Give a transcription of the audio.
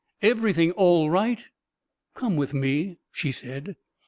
Everything "all right"? "Come with me!" she said.